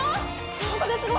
３カ月後？